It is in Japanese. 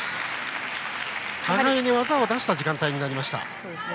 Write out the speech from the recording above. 互いに技を出した時間帯になりました。